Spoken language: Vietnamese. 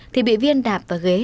thì bị viên đạp vào ghế